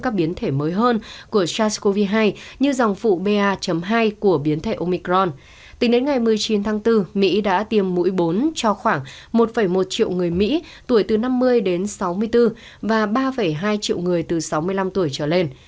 một một triệu người mỹ tuổi từ năm mươi đến sáu mươi bốn và ba hai triệu người từ sáu mươi năm tuổi trở lên